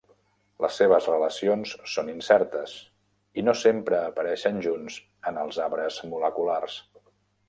Les seves relacions són incertes, i no sempre apareixen junts en els arbres moleculars.